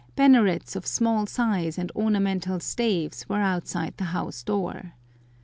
Bannerets of small size and ornamental staves were outside the house door.